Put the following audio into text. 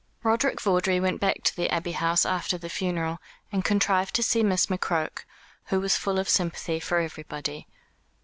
Roderick Vawdrey went back to the Abbey House after the funeral, and contrived to see Miss McCroke, who was full of sympathy for everybody.